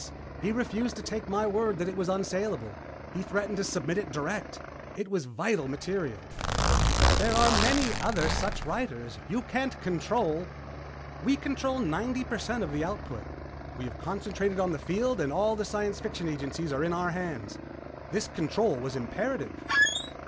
He refused to take my word that it was unsalable. He threatened to submit it direct. It was vital material." "But there are many other such writers. You can't control " "We control ninety percent of the output. We have concentrated on the field and all of the science fiction agencies are in our hands. This control was imperative."